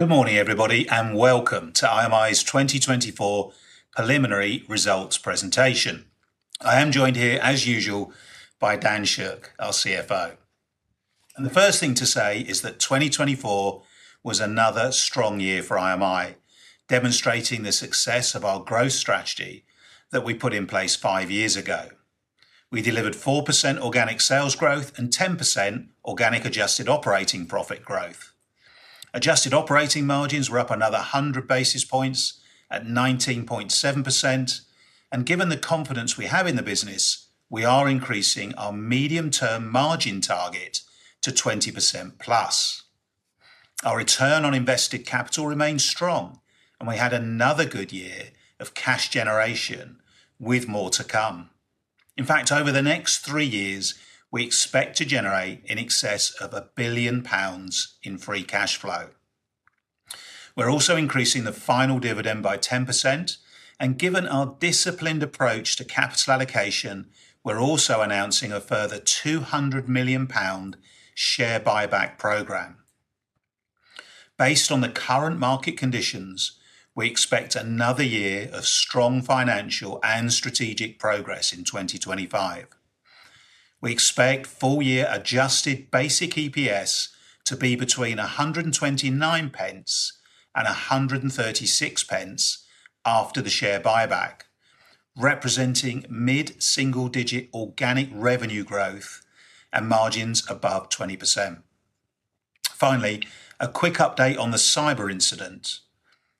Good morning, everybody, and welcome to IMI's 2024 preliminary results presentation. I am joined here, as usual, by Dan Shook, our CFO. And the first thing to say is that 2024 was another strong year for IMI, demonstrating the success of our growth strategy that we put in place five years ago. We delivered 4% organic sales growth and 10% organic adjusted operating profit growth. Adjusted operating margins were up another 100 basis points at 19.7%. And given the confidence we have in the business, we are increasing our medium-term margin target to 20%+. Our return on invested capital remains strong, and we had another good year of cash generation with more to come. In fact, over the next three years, we expect to generate in excess of 1 billion pounds in free cash flow. We're also increasing the final dividend by 10%. Given our disciplined approach to capital allocation, we're also announcing a further 200 million pound share buyback program. Based on the current market conditions, we expect another year of strong financial and strategic progress in 2025. We expect full-year adjusted basic EPS to be between 129p and 136p after the share buyback, representing mid-single-digit organic revenue growth and margins above 20%. Finally, a quick update on the cyber incident.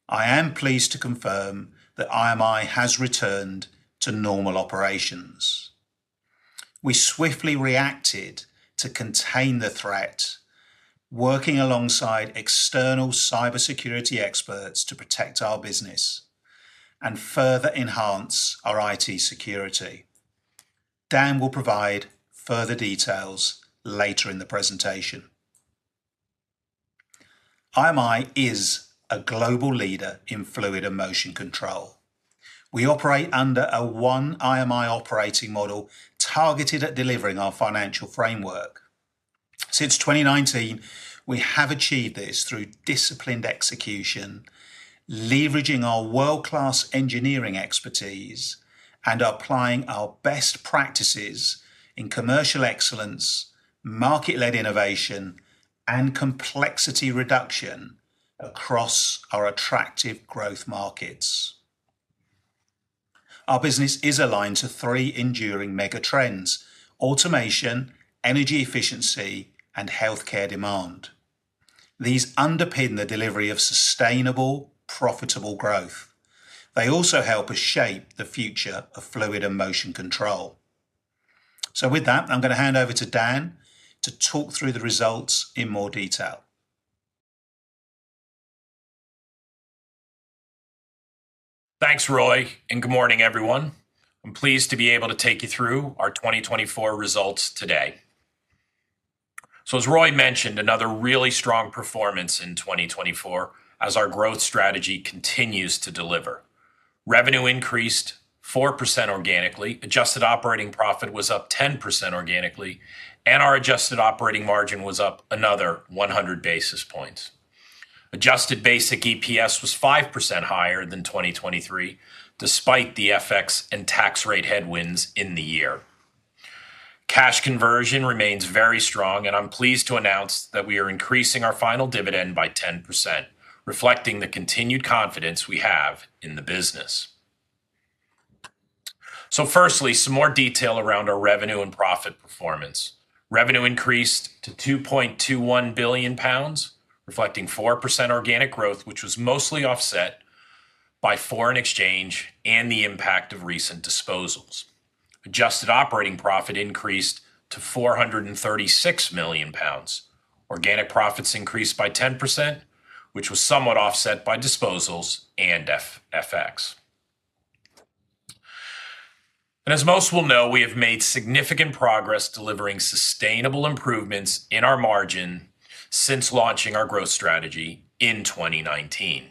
I am pleased to confirm that IMI has returned to normal operations. We swiftly reacted to contain the threat, working alongside external cybersecurity experts to protect our business and further enhance our IT security. Dan will provide further details later in the presentation. IMI is a global leader in fluid and motion control. We operate under a One IMI operating model targeted at delivering our financial framework. Since 2019, we have achieved this through disciplined execution, leveraging our world-class engineering expertise and applying our best practices in commercial excellence, market-led innovation, and complexity reduction across our attractive growth markets. Our business is aligned to three enduring mega trends: Automation, energy efficiency, and healthcare demand. These underpin the delivery of sustainable, profitable growth. They also help us shape the future of fluid and motion control. So with that, I'm going to hand over to Dan to talk through the results in more detail. Thanks, Roy, and good morning, everyone. I'm pleased to be able to take you through our 2024 results today, so as Roy mentioned, another really strong performance in 2024 as our growth strategy continues to deliver. Revenue increased 4% organically, adjusted operating profit was up 10% organically, and our adjusted operating margin was up another 100 basis points. Adjusted basic EPS was 5% higher than 2023, despite the FX and tax rate headwinds in the year. Cash conversion remains very strong, and I'm pleased to announce that we are increasing our final dividend by 10%, reflecting the continued confidence we have in the business, so firstly, some more detail around our revenue and profit performance. Revenue increased to 2.21 billion pounds, reflecting 4% organic growth, which was mostly offset by foreign exchange and the impact of recent disposals. Adjusted operating profit increased to 436 million pounds. Organic profits increased by 10%, which was somewhat offset by disposals and FX. And as most will know, we have made significant progress delivering sustainable improvements in our margin since launching our growth strategy in 2019.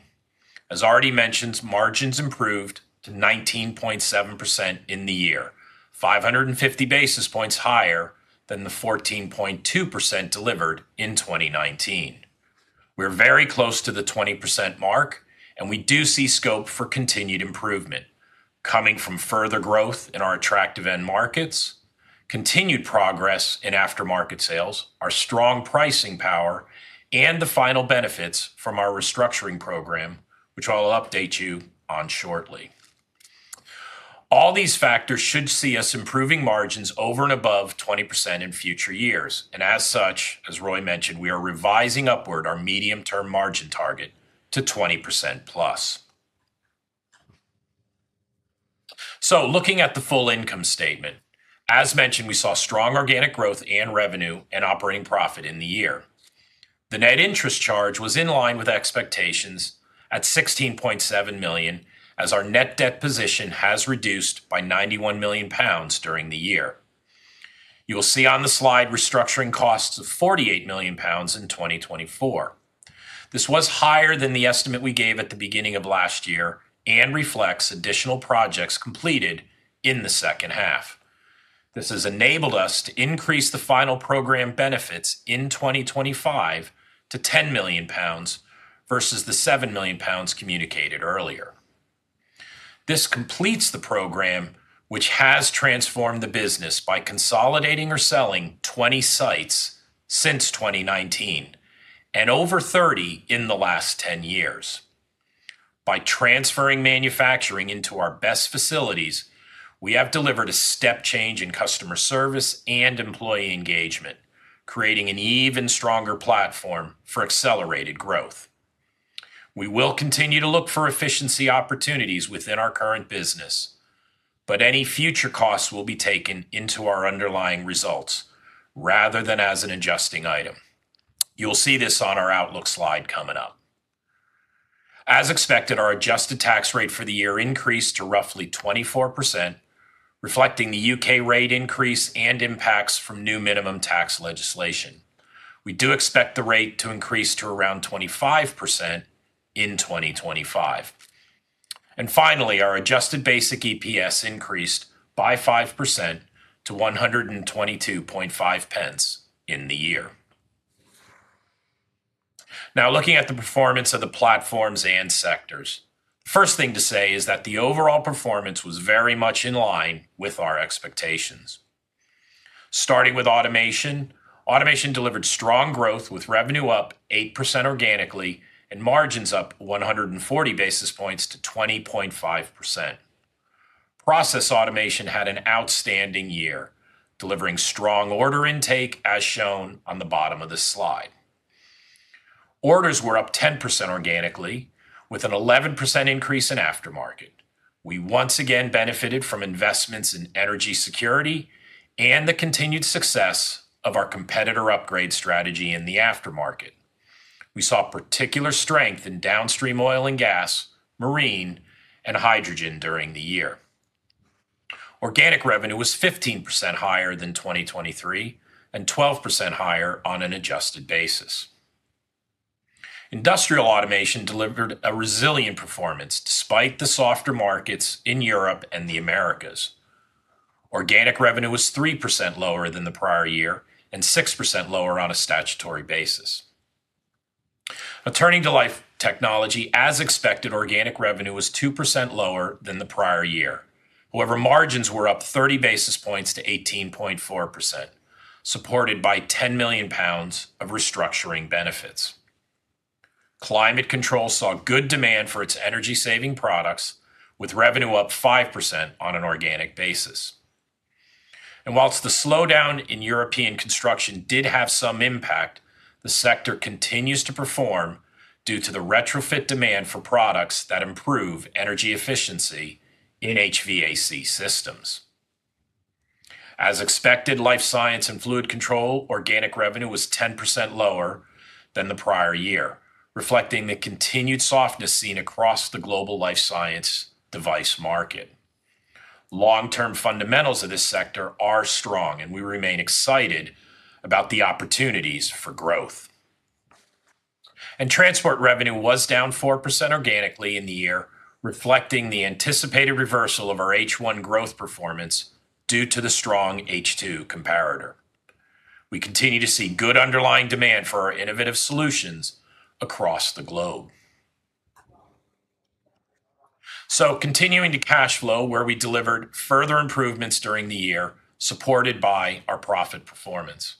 As already mentioned, margins improved to 19.7% in the year, 550 basis points higher than the 14.2% delivered in 2019. We're very close to the 20% mark, and we do see scope for continued improvement coming from further growth in our attractive end markets, continued progress in aftermarket sales, our strong pricing power, and the final benefits from our restructuring program, which I'll update you on shortly. All these factors should see us improving margins over and above 20% in future years. And as such, as Roy mentioned, we are revising upward our medium-term margin target to 20%+. So looking at the full income statement, as mentioned, we saw strong organic growth and revenue and operating profit in the year. The net interest charge was in line with expectations at 16.7 million as our net debt position has reduced by 91 million pounds during the year. You will see on the slide restructuring costs of 48 million pounds in 2024. This was higher than the estimate we gave at the beginning of last year and reflects additional projects completed in the second half. This has enabled us to increase the final program benefits in 2025 to 10 million pounds versus the 7 million pounds communicated earlier. This completes the program, which has transformed the business by consolidating or selling 20 sites since 2019 and over 30 in the last 10 years. By transferring manufacturing into our best facilities, we have delivered a step change in customer service and employee engagement, creating an even stronger platform for accelerated growth. We will continue to look for efficiency opportunities within our current business, but any future costs will be taken into our underlying results rather than as an adjusting item. You'll see this on our outlook slide coming up. As expected, our adjusted tax rate for the year increased to roughly 24%, reflecting the U.K. rate increase and impacts from new minimum tax legislation. We do expect the rate to increase to around 25% in 2025. And finally, our adjusted basic EPS increased by 5% to 122.5 in the year. Now, looking at the performance of the platforms and sectors, the first thing to say is that the overall performance was very much in line with our expectations. Starting with automation, automation delivered strong growth with revenue up 8% organically and margins up 140 basis points to 20.5%. Process Automation had an outstanding year, delivering strong order intake as shown on the bottom of the slide. Orders were up 10% organically, with an 11% increase in aftermarket. We once again benefited from investments in energy security and the continued success of our competitor upgrade strategy in the aftermarket. We saw particular strength in downstream oil and gas, marine, and hydrogen during the year. Organic revenue was 15% higher than 2023 and 12% higher on an adjusted basis. Industrial Automation delivered a resilient performance despite the softer markets in Europe and the Americas. Organic revenue was 3% lower than the prior year and 6% lower on a statutory basis. Turning to Life Technology, as expected, organic revenue was 2% lower than the prior year. However, margins were up 30 basis points to 18.4%, supported by 10 million pounds of restructuring benefits. Climate Control saw good demand for its energy-saving products, with revenue up 5% on an organic basis, and while the slowdown in European construction did have some impact, the sector continues to perform due to the retrofit demand for products that improve energy efficiency in HVAC systems. As expected, Life Science and Fluid Control organic revenue was 10% lower than the prior year, reflecting the continued softness seen across the global life science device market. Long-term fundamentals of this sector are strong, and we remain excited about the opportunities for growth, and Transport revenue was down 4% organically in the year, reflecting the anticipated reversal of our H1 growth performance due to the strong H2 comparator. We continue to see good underlying demand for our innovative solutions across the globe. Continuing to cash flow, where we delivered further improvements during the year, supported by our profit performance.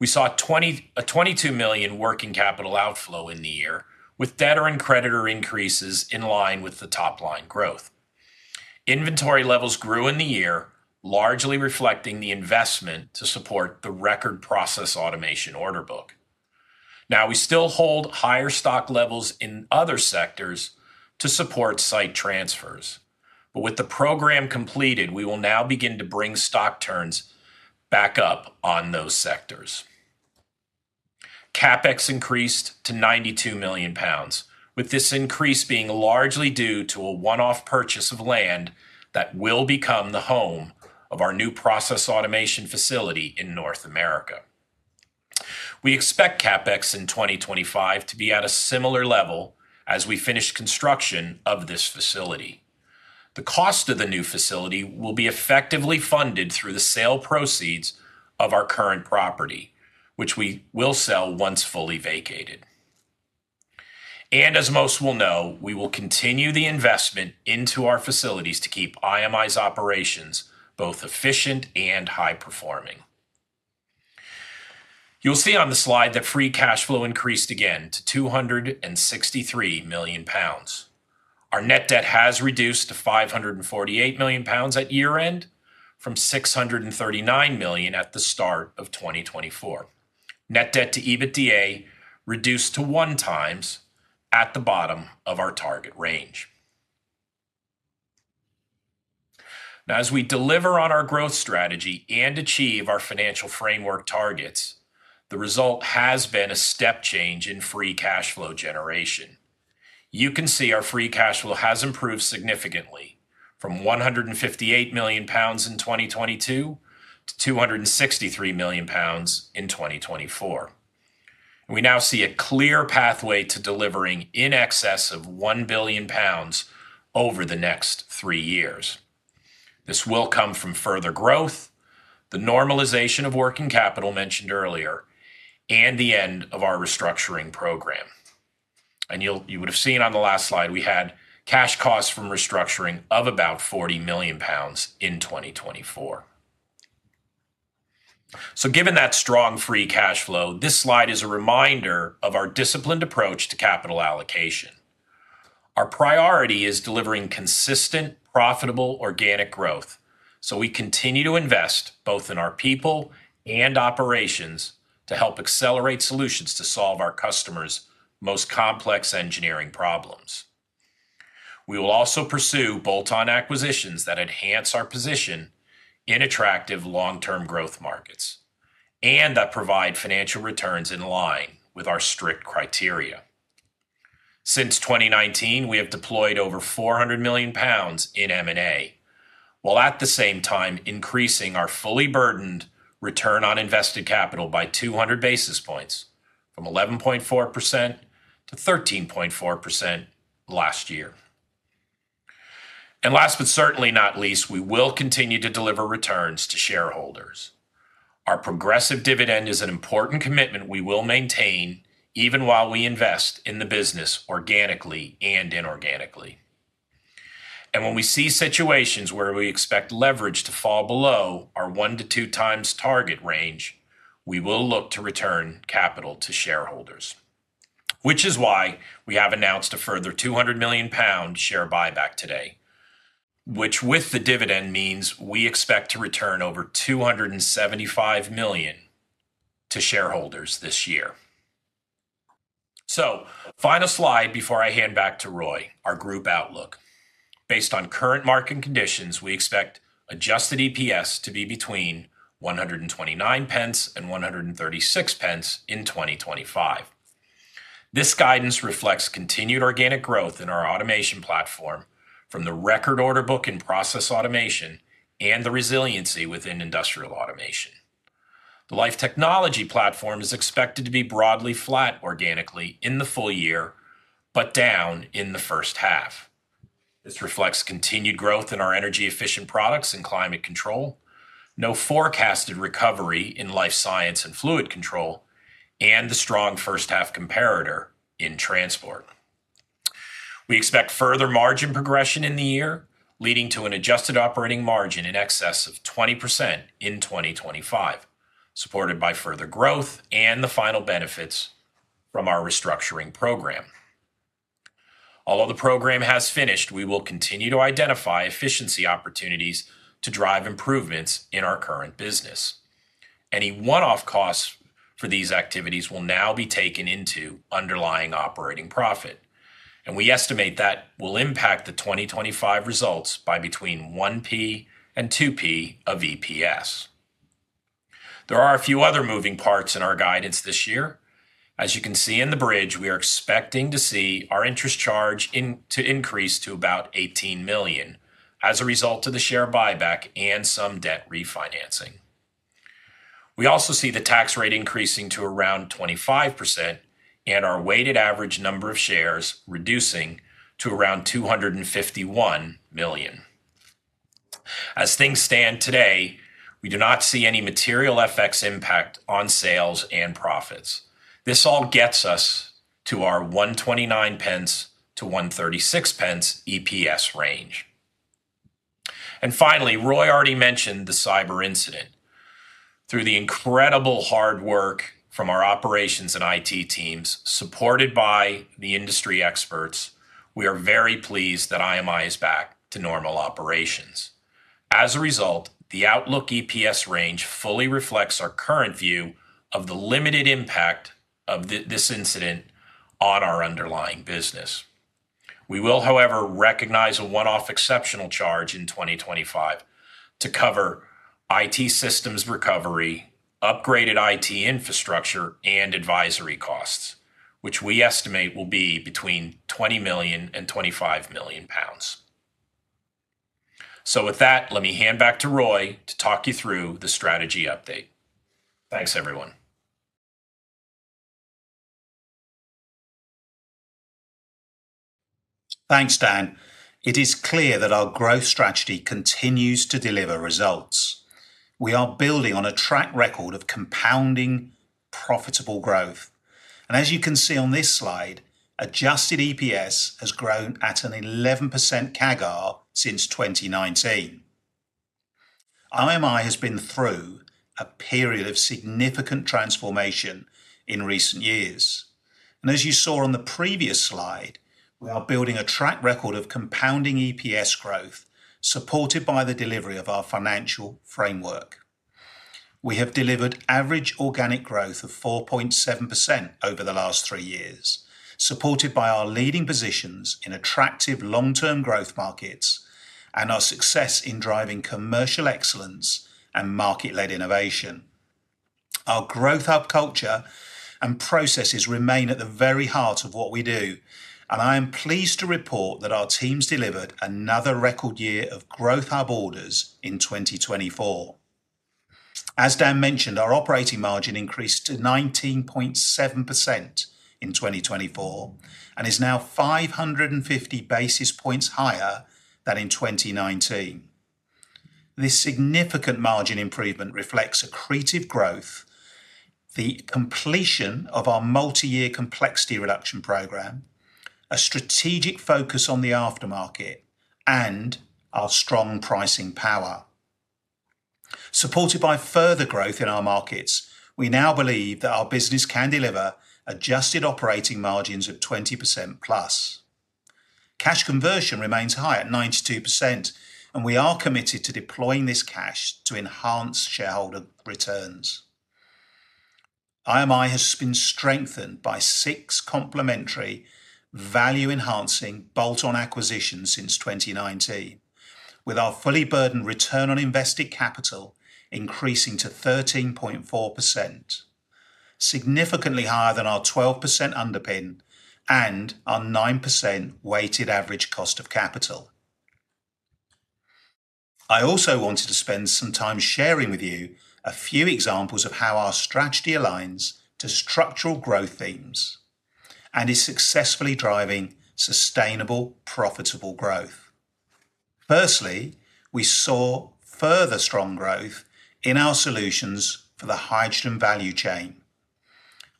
We saw a 22 million working capital outflow in the year, with debtor and creditor increases in line with the top-line growth. Inventory levels grew in the year, largely reflecting the investment to support the record Process Automation order book. Now, we still hold higher stock levels in other sectors to support site transfers. But with the program completed, we will now begin to bring stock turns back up on those sectors. CapEx increased to 92 million pounds, with this increase being largely due to a one-off purchase of land that will become the home of our new Process Automation facility in North America. We expect CapEx in 2025 to be at a similar level as we finish construction of this facility. The cost of the new facility will be effectively funded through the sale proceeds of our current property, which we will sell once fully vacated. As most will know, we will continue the investment into our facilities to keep IMI's operations both efficient and high-performing. You'll see on the slide that free cash flow increased again to 263 million pounds. Our net debt has reduced to 548 million pounds at year-end from 639 million at the start of 2024. Net debt to EBITDA reduced to one times at the bottom of our target range. Now, as we deliver on our growth strategy and achieve our financial framework targets, the result has been a step change in free cash flow generation. You can see our free cash flow has improved significantly from 158 million pounds in 2022 to 263 million pounds in 2024. We now see a clear pathway to delivering in excess of 1 billion pounds over the next three years. This will come from further growth, the normalization of working capital mentioned earlier, and the end of our restructuring program. You would have seen on the last slide, we had cash costs from restructuring of about 40 million pounds in 2024. Given that strong free cash flow, this slide is a reminder of our disciplined approach to capital allocation. Our priority is delivering consistent, profitable organic growth, so we continue to invest both in our people and operations to help accelerate solutions to solve our customers' most complex engineering problems. We will also pursue bolt-on acquisitions that enhance our position in attractive long-term growth markets and that provide financial returns in line with our strict criteria. Since 2019, we have deployed over 400 million pounds in M&A, while at the same time increasing our fully burdened return on invested capital by 200 basis points from 11.4% to 13.4% last year. Last but certainly not least, we will continue to deliver returns to shareholders. Our progressive dividend is an important commitment we will maintain even while we invest in the business organically and inorganically. When we see situations where we expect leverage to fall below our one to two times target range, we will look to return capital to shareholders, which is why we have announced a further 200 million pound share buyback today, which with the dividend means we expect to return over 275 million to shareholders this year. Final slide before I hand back to Roy, our group outlook. Based on current market conditions, we expect adjusted EPS to be between 129 and 136 in 2025. This guidance reflects continued organic growth in our Automation platform from the record order book and Process Automation and the resiliency within Industrial Automation. The Life Technology platform is expected to be broadly flat organically in the full year, but down in the first half. This reflects continued growth in our energy-efficient products and Climate Control, no forecasted recovery in Life Science and Fluid Control, and the strong first-half comparator in Transport. We expect further margin progression in the year, leading to an adjusted operating margin in excess of 20% in 2025, supported by further growth and the final benefits from our restructuring program. Although the program has finished, we will continue to identify efficiency opportunities to drive improvements in our current business. Any one-off costs for these activities will now be taken into underlying operating profit, and we estimate that will impact the 2025 results by between 1p and 2p of EPS. There are a few other moving parts in our guidance this year. As you can see in the bridge, we are expecting to see our interest charge to increase to about 18 million as a result of the share buyback and some debt refinancing. We also see the tax rate increasing to around 25% and our weighted average number of shares reducing to around 251 million. As things stand today, we do not see any material effects impact on sales and profits. This all gets us to our 129p-136p EPS range. And finally, Roy already mentioned the cyber incident. Through the incredible hard work from our operations and IT teams, supported by the industry experts, we are very pleased that IMI is back to normal operations. As a result, the outlook EPS range fully reflects our current view of the limited impact of this incident on our underlying business. We will, however, recognize a one-off exceptional charge in 2025 to cover IT systems recovery, upgraded IT infrastructure, and advisory costs, which we estimate will be between 20 million and 25 million pounds. So with that, let me hand back to Roy to talk you through the strategy update. Thanks, everyone. Thanks, Dan. It is clear that our growth strategy continues to deliver results. We are building on a track record of compounding profitable growth. And as you can see on this slide, adjusted EPS has grown at an 11% CAGR since 2019. IMI has been through a period of significant transformation in recent years, and as you saw on the previous slide, we are building a track record of compounding EPS growth supported by the delivery of our financial framework. We have delivered average organic growth of 4.7% over the last three years, supported by our leading positions in attractive long-term growth markets and our success in driving commercial excellence and market-led innovation. Our Growth Hub culture and processes remain at the very heart of what we do, and I am pleased to report that our teams delivered another record year of Growth Hub orders in 2024. As Dan mentioned, our operating margin increased to 19.7% in 2024 and is now 550 basis points higher than in 2019. This significant margin improvement reflects accretive growth, the completion of our multi-year complexity reduction program, a strategic focus on the aftermarket, and our strong pricing power. Supported by further growth in our markets, we now believe that our business can deliver adjusted operating margins of 20%+. Cash conversion remains high at 92%, and we are committed to deploying this cash to enhance shareholder returns. IMI has been strengthened by six complementary value-enhancing bolt-on acquisitions since 2019, with our fully burdened return on invested capital increasing to 13.4%, significantly higher than our 12% underpin and our 9% weighted average cost of capital. I also wanted to spend some time sharing with you a few examples of how our strategy aligns to structural growth themes and is successfully driving sustainable, profitable growth. Firstly, we saw further strong growth in our solutions for the hydrogen value chain.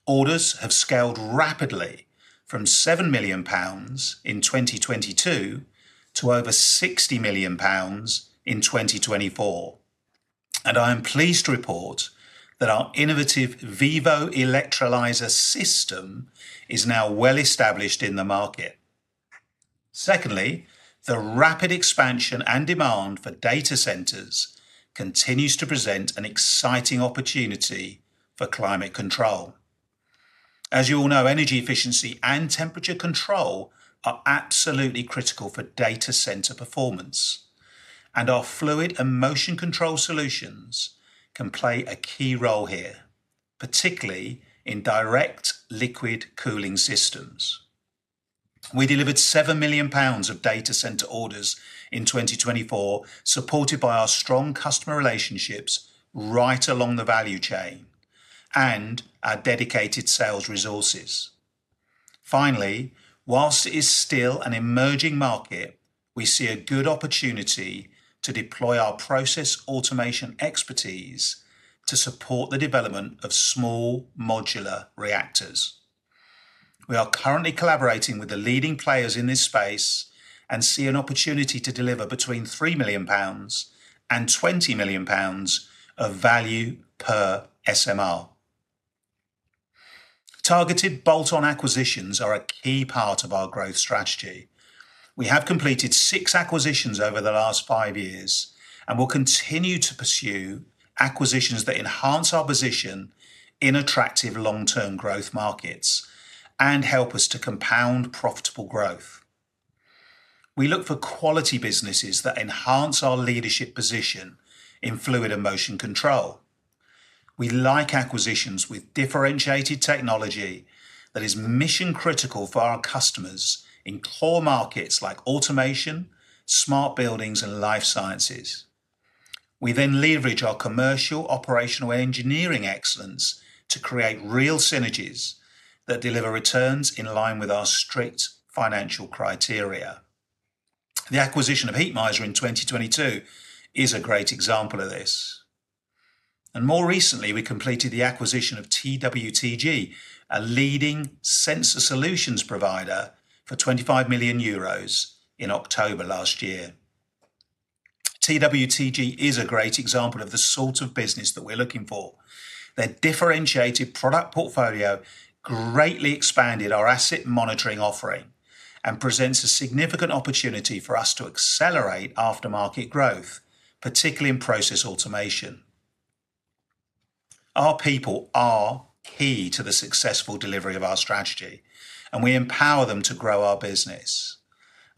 Orders have scaled rapidly from 7 million pounds in 2022 to over 60 million pounds in 2024, and I am pleased to report that our innovative VIVO electrolyser system is now well established in the market. Secondly, the rapid expansion and demand for data centers continues to present an exciting opportunity for climate control. As you all know, energy efficiency and temperature control are absolutely critical for data center performance, and our fluid and motion control solutions can play a key role here, particularly in direct liquid cooling systems. We delivered 7 million pounds of data center orders in 2024, supported by our strong customer relationships right along the value chain and our dedicated sales resources. Finally, while it is still an emerging market, we see a good opportunity to deploy our Process Automation expertise to support the development of small modular reactors. We are currently collaborating with the leading players in this space and see an opportunity to deliver between 3 million pounds and 20 million pounds of value per SMR. Targeted bolt-on acquisitions are a key part of our growth strategy. We have completed six acquisitions over the last five years and will continue to pursue acquisitions that enhance our position in attractive long-term growth markets and help us to compound profitable growth. We look for quality businesses that enhance our leadership position in fluid and motion control. We like acquisitions with differentiated technology that is mission-critical for our customers in core markets like automation, smart buildings, and life sciences. We then leverage our commercial, operational, and engineering excellence to create real synergies that deliver returns in line with our strict financial criteria. The acquisition of Heatmiser in 2022 is a great example of this. More recently, we completed the acquisition of TWTG, a leading sensor solutions provider for 25 million euros in October last year. TWTG is a great example of the sort of business that we're looking for. Their differentiated product portfolio greatly expanded our asset monitoring offering and presents a significant opportunity for us to accelerate aftermarket growth, particularly in Process Automation. Our people are key to the successful delivery of our strategy, and we empower them to grow our business.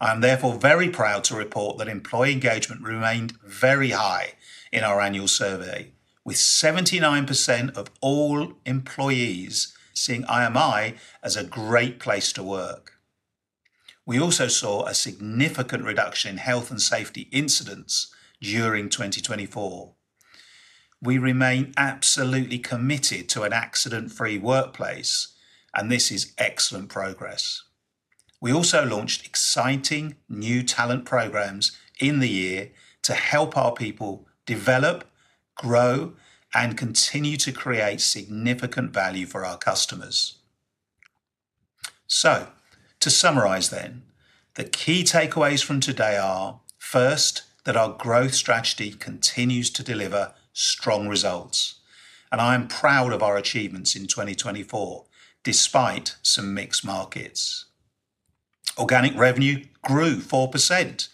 I am therefore very proud to report that employee engagement remained very high in our annual survey, with 79% of all employees seeing IMI as a great place to work. We also saw a significant reduction in health and safety incidents during 2024. We remain absolutely committed to an accident-free workplace, and this is excellent progress. We also launched exciting new talent programs in the year to help our people develop, grow, and continue to create significant value for our customers. So, to summarize then, the key takeaways from today are, first, that our growth strategy continues to deliver strong results, and I am proud of our achievements in 2024 despite some mixed markets. Organic revenue grew 4%.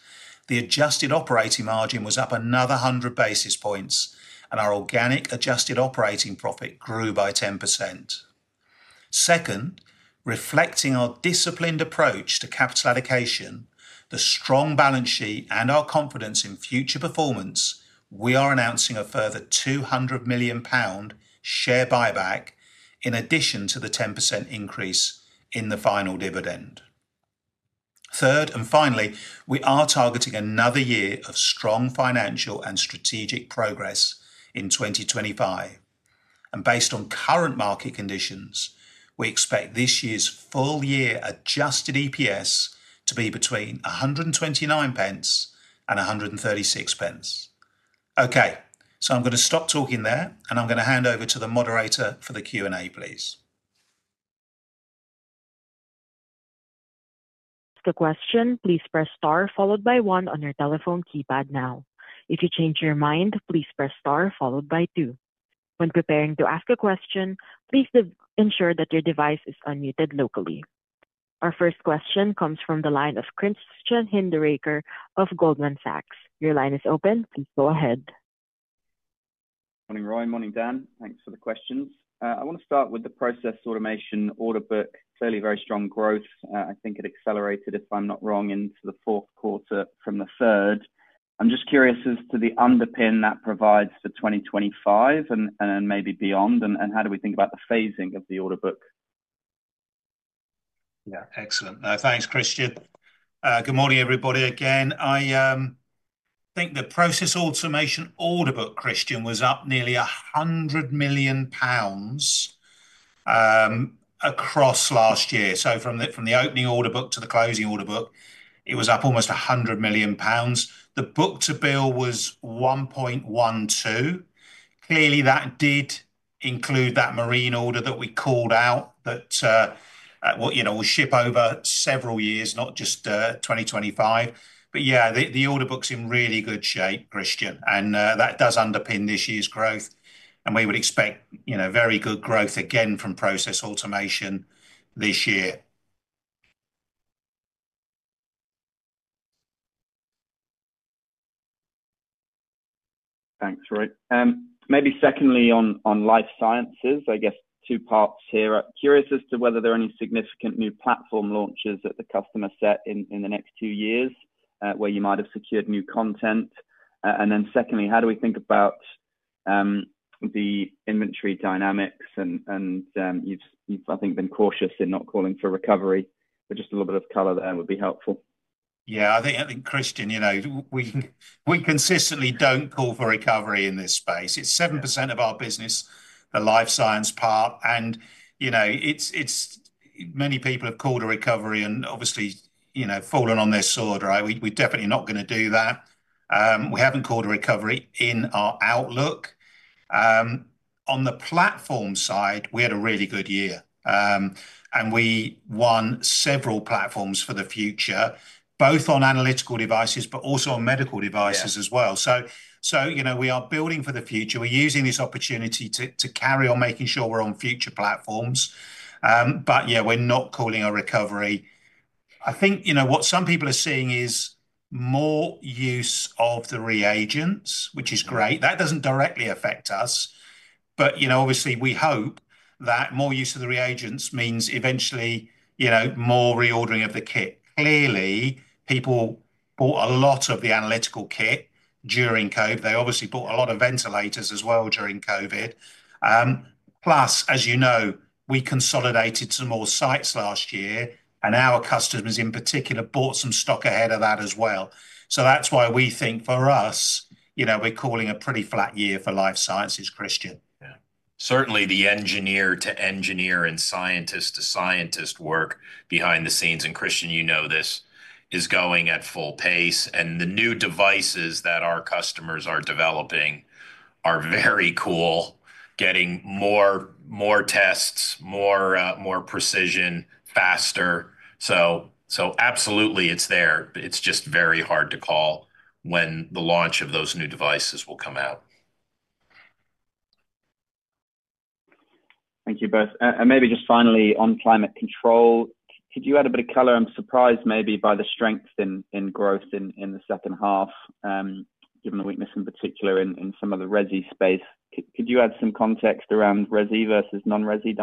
The adjusted operating margin was up another 100 basis points, and our organic adjusted operating profit grew by 10%. Second, reflecting our disciplined approach to capital allocation, the strong balance sheet, and our confidence in future performance, we are announcing a further 200 million pound share buyback in addition to the 10% increase in the final dividend. Third, and finally, we are targeting another year of strong financial and strategic progress in 2025. Based on current market conditions, we expect this year's full-year adjusted EPS to be between 129p and 136p. Okay, so I'm going to stop talking there, and I'm going to hand over to the moderator for the Q&A, please. To ask a question, please press star followed by one on your telephone keypad now. If you change your mind, please press star followed by two. When preparing to ask a question, please ensure that your device is unmuted locally. Our first question comes from the line of Christian Hinderaker of Goldman Sachs. Your line is open. Please go ahead. Morning, Roy. Morning, Dan. Thanks for the questions. I want to start with the Process Automation order book, clearly very strong growth. I think it accelerated, if I'm not wrong, into the fourth quarter from the third. I'm just curious as to the underpinning that provides for 2025 and then maybe beyond, and how do we think about the phasing of the order book? Yeah, excellent. Thanks, Christian. Good morning, everybody again. I think the Process Automation order book, Christian, was up nearly 100 million pounds across last year. So from the opening order book to the closing order book, it was up almost 100 million pounds. The book-to-bill was 1.12. Clearly, that did include that marine order that we called out that will ship over several years, not just 2025. But yeah, the order book's in really good shape, Christian, and that does underpin this year's growth. And we would expect very good growth again from Process Automation this year. Thanks, Roy. Maybe secondly, on life sciences, I guess two parts here. Curious as to whether there are any significant new platform launches that the customer set in the next two years where you might have secured new content. And then secondly, how do we think about the inventory dynamics? And you've, I think, been cautious in not calling for recovery, but just a little bit of color there would be helpful. Yeah, I think, Christian, we consistently don't call for recovery in this space. It's 7% of our business, the life science part. And many people have called a recovery and obviously fallen on their sword, right? We're definitely not going to do that. We haven't called a recovery in our outlook. On the platform side, we had a really good year, and we won several platforms for the future, both on analytical devices, but also on medical devices as well. So we are building for the future. We're using this opportunity to carry on making sure we're on future platforms. But yeah, we're not calling a recovery. I think what some people are seeing is more use of the reagents, which is great. That doesn't directly affect us. But obviously, we hope that more use of the reagents means eventually more reordering of the kit. Clearly, people bought a lot of the analytical kit during COVID. They obviously bought a lot of ventilators as well during COVID. Plus, as you know, we consolidated some more sites last year, and our customers in particular bought some stock ahead of that as well. So that's why we think for us, we're calling a pretty flat year for Life Sciences, Christian. Yeah, certainly the engineer to engineer and scientist to scientist work behind the scenes. And Christian, you know this is going at full pace. The new devices that our customers are developing are very cool, getting more tests, more precision, faster. So absolutely, it's there. It's just very hard to call when the launch of those new devices will come out. Thank you both. Maybe just finally on climate control, could you add a bit of color? I'm surprised maybe by the strength in growth in the second half, given the weakness in particular in some of the resi space. Could you add some context around resi versus non-resi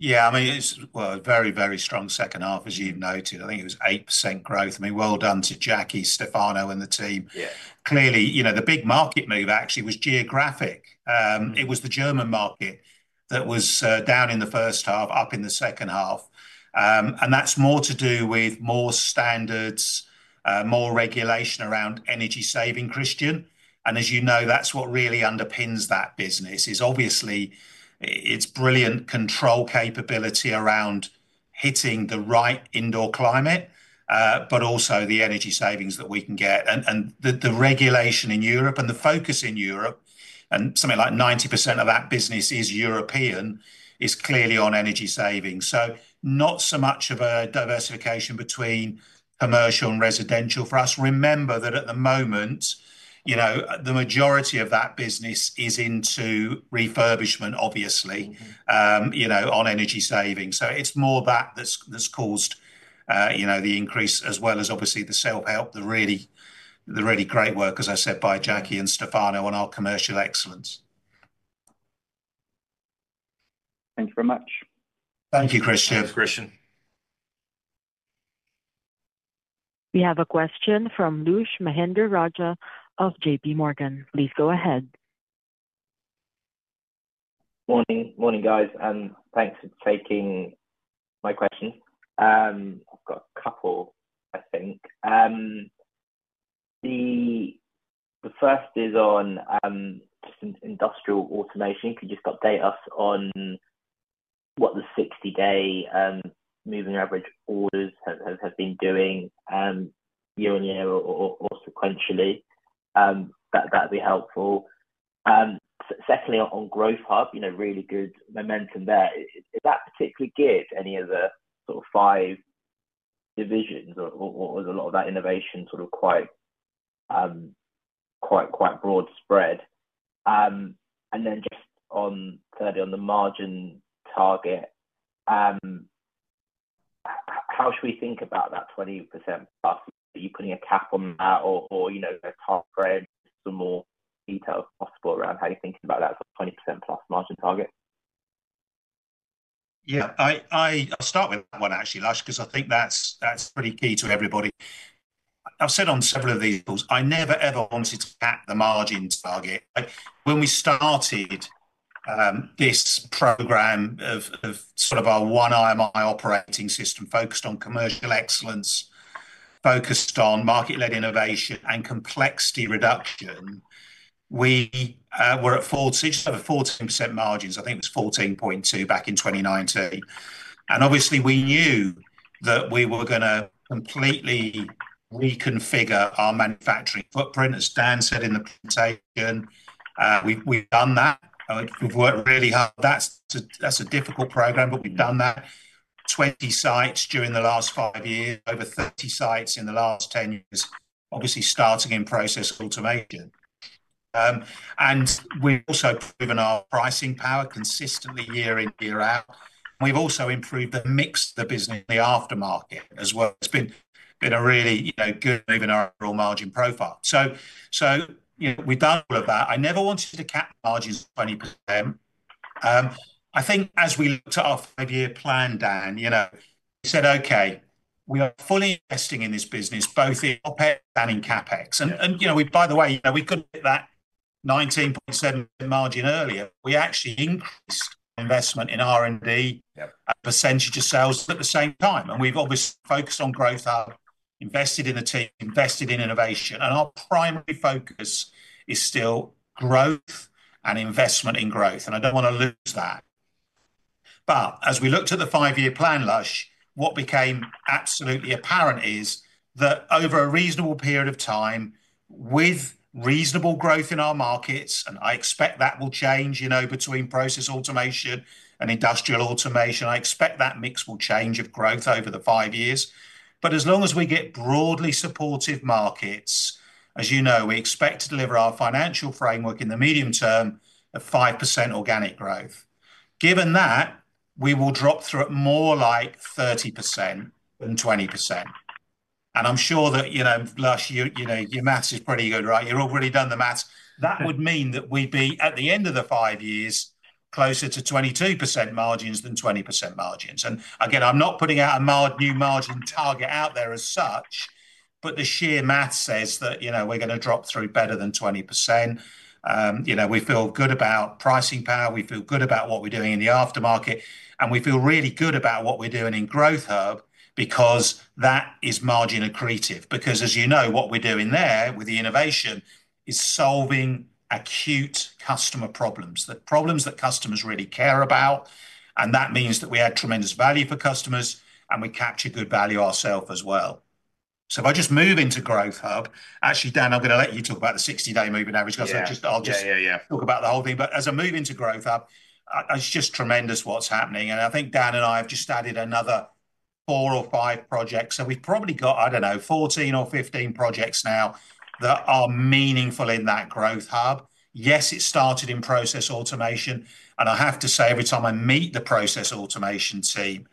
dynamics? Yeah, I mean, it's a very, very strong second half, as you've noted. I think it was 8% growth. I mean, well done to Jackie, Stefano, and the team. Clearly, the big market move actually was geographic. It was the German market that was down in the first half, up in the second half. That's more to do with more standards, more regulation around energy saving, Christian. And as you know, that's what really underpins that business. It's obviously its brilliant control capability around hitting the right indoor climate, but also the energy savings that we can get. And the regulation in Europe and the focus in Europe, and something like 90% of that business is European, is clearly on energy savings. So not so much of a diversification between commercial and residential for us. Remember that at the moment, the majority of that business is into refurbishment, obviously, on energy savings. So it's more that that's caused the increase, as well as obviously the self-help, the really great work, as I said, by Jackie and Stefano on our commercial excellence. Thank you very much. Thank you, Christian. Thanks, Christian. We have a question from Lush Mahendrarajah of JPMorgan. Please go ahead. Morning, guys. And thanks for taking my question. I've got a couple, I think. The first is on just Industrial Automation. Could you just update us on what the 60-day moving average orders have been doing year on year or sequentially? That'd be helpful. Secondly, on Growth Hub, really good momentum there. Is that particularly geared to any of the sort of five divisions, or was a lot of that innovation sort of quite broad spread? And then just thirdly, on the margin target, how should we think about that 20%+? Are you putting a cap on that or a time frame? Some more detail possible around how you're thinking about that 20%+ margin target? Yeah, I'll start with that one, actually, Lush, because I think that's pretty key to everybody. I've said on several of these calls, I never, ever wanted to cap the margin target. When we started this program of sort of our One IMI operating system focused on commercial excellence, focused on market-led innovation and complexity reduction, we were at 14% margins. I think it was 14.2% back in 2019. And obviously, we knew that we were going to completely reconfigure our manufacturing footprint, as Dan said in the presentation. We've done that. We've worked really hard. That's a difficult program, but we've done that. 20 sites during the last five years, over 30 sites in the last 10 years, obviously starting in Process Automation. And we've also proven our pricing power consistently year in, year out. We've also improved the mix of the business in the Aftermarket as well. It's been a really good move in our overall margin profile. So we've done all of that. I never wanted to cap margins 20%. I think as we looked at our five-year plan, Dan, we said, "Okay, we are fully investing in this business, both in OpEx and in CapEx." And by the way, we couldn't hit that 19.7% margin earlier. We actually increased investment in R&D and percentage of sales at the same time. And we've obviously focused on growth, invested in the team, invested in innovation. And our primary focus is still growth and investment in growth. And I don't want to lose that. But as we looked at the five-year plan, Lush, what became absolutely apparent is that over a reasonable period of time, with reasonable growth in our markets, and I expect that will change between Process Automation and Industrial Automation. I expect that mix will change of growth over the five years. But as long as we get broadly supportive markets, as you know, we expect to deliver our financial framework in the medium term of 5% organic growth. Given that, we will drop through at more like 30% than 20%. And I'm sure that, Lush, your math is pretty good, right? You've already done the math. That would mean that we'd be at the end of the five years closer to 22% margins than 20% margins. And again, I'm not putting out a new margin target out there as such, but the sheer math says that we're going to drop through better than 20%. We feel good about pricing power. We feel good about what we're doing in the aftermarket. And we feel really good about what we're doing in Growth Hub because that is margin accretive. Because as you know, what we're doing there with the innovation is solving acute customer problems, the problems that customers really care about, and that means that we add tremendous value for customers, and we capture good value ourselves as well. So if I just move into Growth Hub, actually, Dan, I'm going to let you talk about the 60-day moving average because I'll just talk about the whole thing, but as I move into Growth Hub, it's just tremendous what's happening, and I think Dan and I have just added another four or five projects. So we've probably got, I don't know, 14 or 15 projects now that are meaningful in that Growth Hub. Yes, it started in Process Automation, and I have to say, every time I meet the Process Automation team,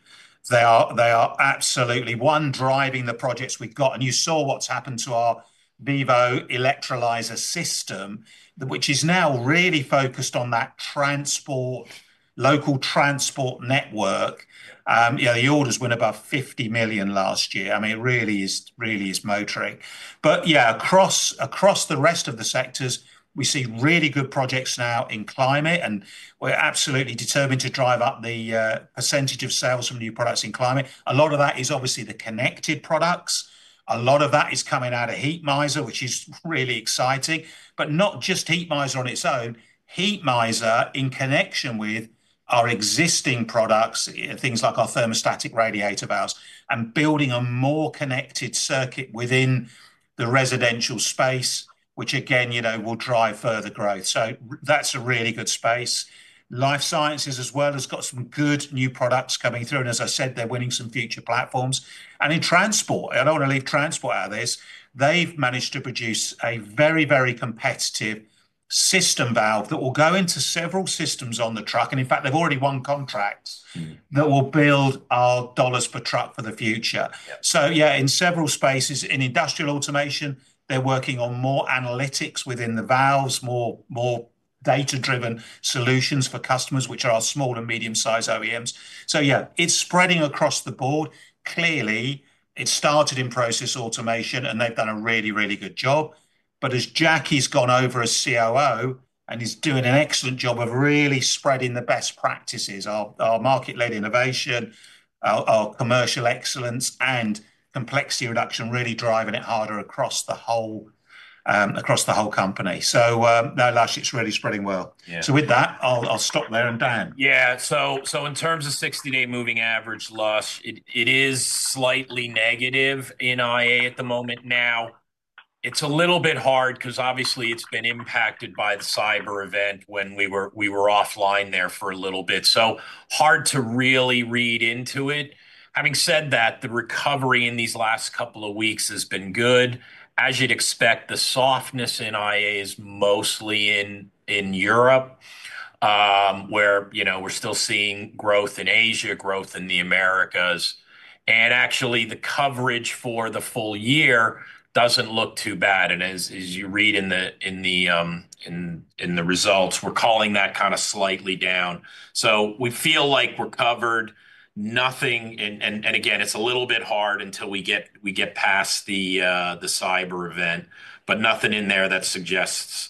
they are absolutely the ones driving the projects we've got. You saw what's happened to our VIVO electrolyser system, which is now really focused on that local transport network. The orders went above 50 million last year. I mean, it really is motoring. Yeah, across the rest of the sectors, we see really good projects now in climate. We're absolutely determined to drive up the percentage of sales from new products in climate. A lot of that is obviously the connected products. A lot of that is coming out of Heatmiser, which is really exciting. Not just Heatmiser on its own. Heatmiser, in connection with our existing products, things like our thermostatic radiator valves, and building a more connected circuit within the residential space, which again, will drive further growth. That's a really good space. Life sciences, as well, has got some good new products coming through. And as I said, they're winning some future platforms. In transport, I don't want to leave transport out of this. They've managed to produce a very, very competitive system valve that will go into several systems on the truck. And in fact, they've already won contracts that will build our dollars per truck for the future. So yeah, in several spaces, in Industrial Automation, they're working on more analytics within the valves, more data-driven solutions for customers, which are our small and medium-sized OEMs. So yeah, it's spreading across the board. Clearly, it started in Process Automation, and they've done a really, really good job. But as Jackie's gone over as COO, and he's doing an excellent job of really spreading the best practices, our market-led innovation, our commercial excellence, and complexity reduction, really driving it harder across the whole company. So no, Lush, it's really spreading well. So with that, I'll stop there. And Dan. Yeah. So in terms of 60-day moving average, Lush, it is slightly negative in IA at the moment. Now, it's a little bit hard because obviously it's been impacted by the cyber event when we were offline there for a little bit. So hard to really read into it. Having said that, the recovery in these last couple of weeks has been good. As you'd expect, the softness in IA is mostly in Europe, where we're still seeing growth in Asia, growth in the Americas. And actually, the coverage for the full year doesn't look too bad. And as you read in the results, we're calling that kind of slightly down. So we feel like we're covered. And again, it's a little bit hard until we get past the cyber event, but nothing in there that suggests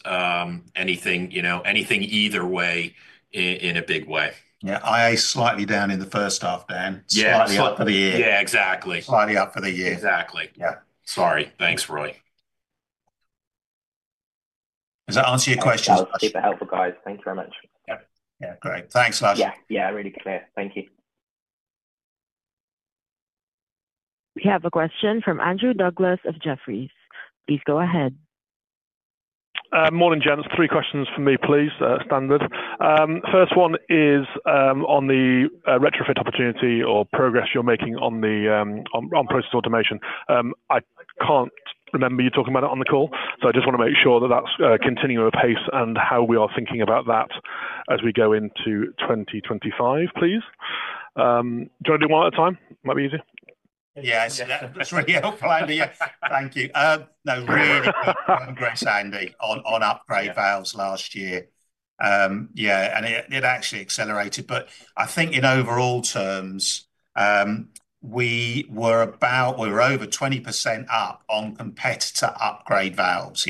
anything either way in a big way. Yeah. IA is slightly down in the first half, Dan. Slightly up for the year. Yeah, exactly. Slightly up for the year. Exactly. Yeah. Sorry. Thanks, Roy. Does that answer your question? Lush, I'll keep it helpful, guys. Thank you very much. Yeah. Great. Thanks, Lush. Yeah. Yeah. Really clear. Thank you. We have a question from Andrew Douglas of Jefferies. Please go ahead. Morning, gents. Three questions for me, please. Standard. First one is on the retrofit opportunity or progress you're making on Process Automation. I can't remember you talking about it on the call. So I just want to make sure that that's continuing at pace and how we are thinking about that as we go into 2025, please. Do you want to do one at a time? Might be easier. Yeah. It's really helpful idea. Thank you. No, really great spending on upgrade valves last year. Yeah. And it actually accelerated. But I think in overall terms, we were over 20% up on competitor upgrade valves.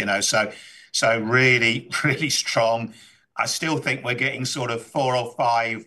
So really, really strong. I still think we're getting sort of four or five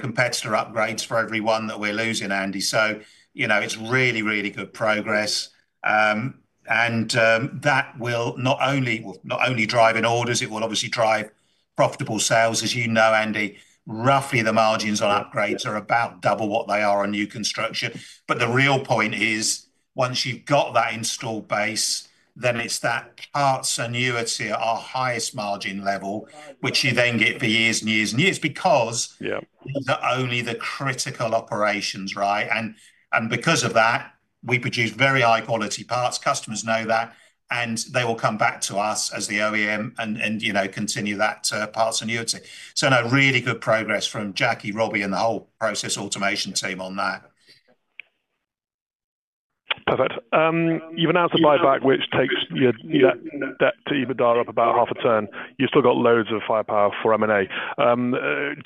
competitor upgrades for every one that we're losing, Andy. So it's really, really good progress. And that will not only drive in orders, it will obviously drive profitable sales. As you know, Andy, roughly the margins on upgrades are about double what they are on new construction. But the real point is, once you've got that installed base, then it's that parts annuity, our highest margin level, which you then get for years and years and years because these are only the critical operations, right? And because of that, we produce very high-quality parts. Customers know that. And they will come back to us as the OEM and continue that parts annuity. So no, really good progress from Jackie, Robbie, and the whole Process Automation team on that. Perfect. You've announced a buyback, which takes that to even dial up about half a turn. You've still got loads of firepower for M&A.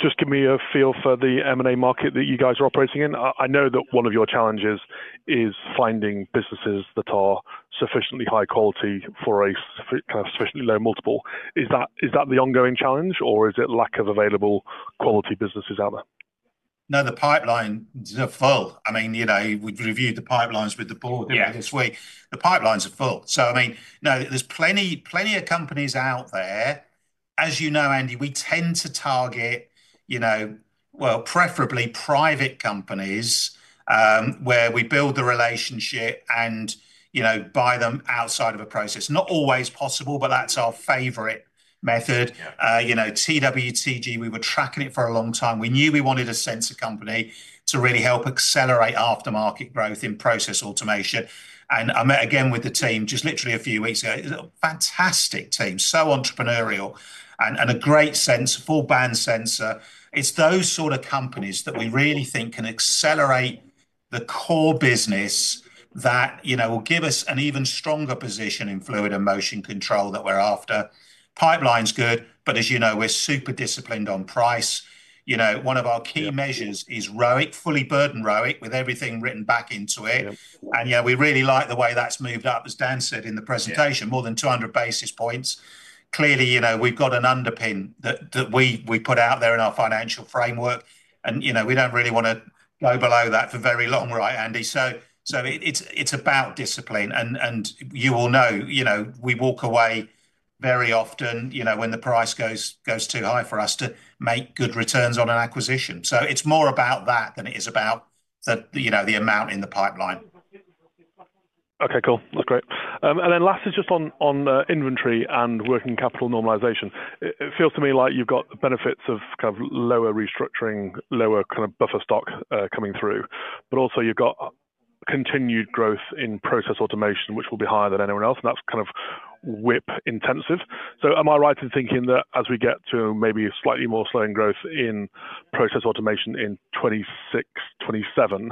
Just give me a feel for the M&A market that you guys are operating in. I know that one of your challenges is finding businesses that are sufficiently high quality for a sufficiently low multiple. Is that the ongoing challenge, or is it lack of available quality businesses out there? No, the pipeline is full. I mean, we've reviewed the pipelines with the board this week. The pipelines are full. So I mean, no, there's plenty of companies out there. As you know, Andy, we tend to target, well, preferably private companies where we build the relationship and buy them outside of a process. Not always possible, but that's our favorite method. TWTG, we were tracking it for a long time. We knew we wanted a sensor company to really help accelerate aftermarket growth in Process Automation. And I met again with the team just literally a few weeks ago. Fantastic team. So entrepreneurial and a great sensor, full band sensor. It's those sort of companies that we really think can accelerate the core business that will give us an even stronger position in fluid and motion control that we're after. Pipeline's good, but as you know, we're super disciplined on price. One of our key measures is ROIC, fully burdened ROIC with everything written back into it. And yeah, we really like the way that's moved up, as Dan said in the presentation, more than 200 basis points. Clearly, we've got an underpin that we put out there in our financial framework. And we don't really want to go below that for very long, right, Andy? So it's about discipline. And you will know we walk away very often when the price goes too high for us to make good returns on an acquisition. So it's more about that than it is about the amount in the pipeline. Okay. Cool. That's great. And then lastly, just on inventory and working capital normalization, it feels to me like you've got the benefits of kind of lower restructuring, lower kind of buffer stock coming through. But also, you've got continued growth in Process Automation, which will be higher than anyone else. And that's kind of WIP intensive. So am I right in thinking that as we get to maybe slightly more slowing growth in Process Automation in 2026, 2027,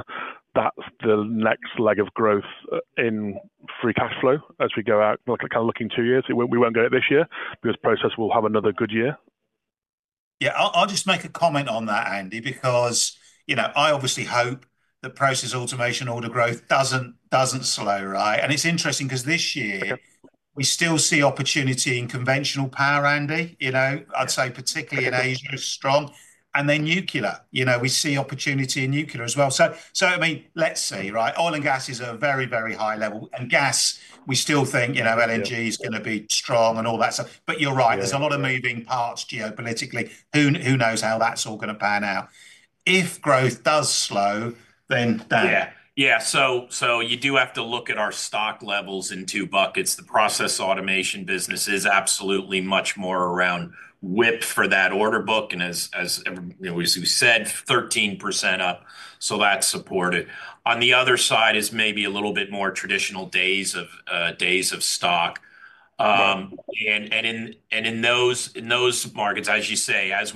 that's the next leg of growth in free cash flow as we go out, kind of looking two years? We won't get it this year because process will have another good year. Yeah. I'll just make a comment on that, Andy, because I obviously hope that Process Automation order growth doesn't slow, right? And it's interesting because this year, we still see opportunity in conventional power, Andy. I'd say particularly in Asia, strong. And then nuclear, we see opportunity in nuclear as well. So I mean, let's see, right? Oil and gas is at a very, very high level. And gas, we still think LNG is going to be strong and all that stuff. But you're right. There's a lot of moving parts geopolitically. Who knows how that's all going to pan out? If growth does slow, then down. Yeah. Yeah. So you do have to look at our stock levels in two buckets. The Process Aautomation business is absolutely much more around WIP for that order book. And as you said, 13% up. So that's supported. On the other side is maybe a little bit more traditional days of stock. And in those markets, as you say, as